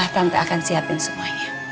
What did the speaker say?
tante akan siapin semuanya